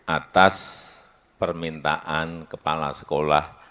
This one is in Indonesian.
atas permintaan kepala sekolah